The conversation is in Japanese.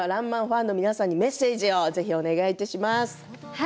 ファンの皆さんにメッセージをお願いします。